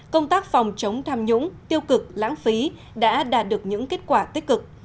công tác phòng chống tham nhũng tiêu cực lãng phí đã đạt được những kết quả tích cực